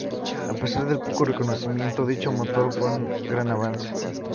A pesar del poco reconocimiento, dicho motor fue un gran avance.